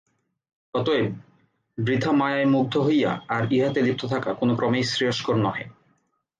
অতএব বৃথা মায়ায় মুগ্ধ হইয়া আর ইহাতে লিপ্ত থাকা কোন ক্রমেই শ্রেয়স্কর নহে।